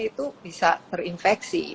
itu bisa terinfeksi